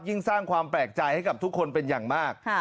สร้างความแปลกใจให้กับทุกคนเป็นอย่างมาก